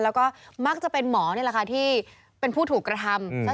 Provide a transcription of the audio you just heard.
แล้วก็มักจะเป็นหมอที่เป็นผู้ถูกกระทำ